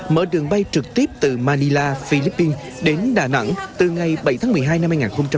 mở đường bay trực tiếp từ manila philippines đến đà nẵng từ ngày bảy tháng một mươi hai năm hai nghìn hai mươi